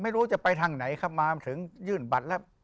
ไม่รู้จะไปทางไหนครับมาถึงยื่นบัตรแล้ว